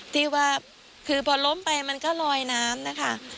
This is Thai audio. ที่ว่าคือพอล้มไปมันก็ลอยน้ำนะคะ